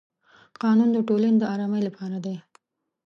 قانون د ټولنې د ارامۍ لپاره دی.